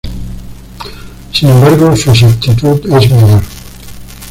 Sin embargo, su exactitud es menor.